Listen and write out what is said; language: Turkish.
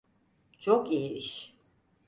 Çok iyi iş.